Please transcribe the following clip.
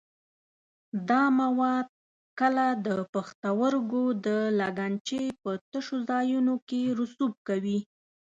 دا مواد کله د پښتورګو د لګنچې په تشو ځایونو کې رسوب کوي.